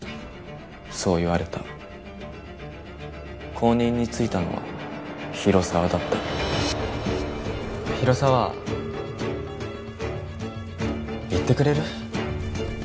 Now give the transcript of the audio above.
そう言われた後任に就いたのは広沢だった広沢行ってくれる？